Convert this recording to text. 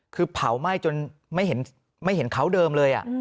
คือเผาไหม้จนไม่เห็นเขาเดิมเลย